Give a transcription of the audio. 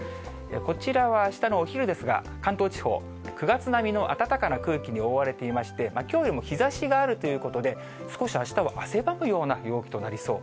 こちらはあしたのお昼ですが、関東地方、９月並みの暖かな空気に覆われていまして、きょうよりも日ざしがあるということで、少しあしたは汗ばむような陽気となりそう。